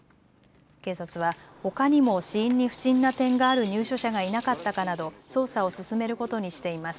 警察は、ほかにも死因に不審な点がある入所者がいなかったかなど捜査を進めることにしています。